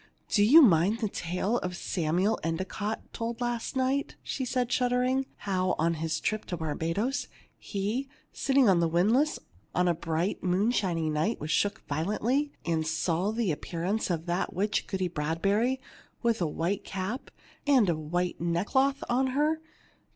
"Do you mind the tale Samuel Endicott told last night?" she said, shuddering. "How on his voyage to Barbadoes he, sitting on the windlass on a bright moonshining night, was shook violent ly, and saw the appearance of that witch Goody Bradbury, with a w T hite cap and a white neck cloth on her